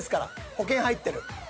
保険入ってる。